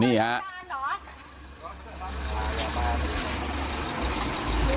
ไม่ต้องบอกกลัวแน่กัน